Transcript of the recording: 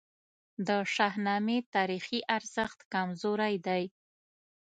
د شاهنامې تاریخي ارزښت کمزوری دی.